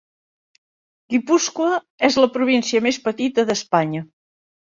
Guipúscoa és la província més petita d"Espanya.